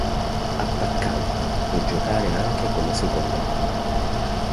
Attaccante, può giocare anche come seconda punta.